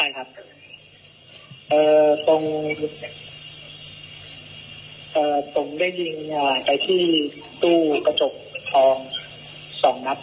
อ่อตรงอ่อผมได้ยิงไปที่ตู้กระจกกระจกคลองสองนัด